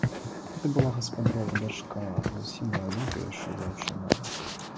Гэта была гаспадарова дачка, зусім маладзенькая яшчэ дзяўчына.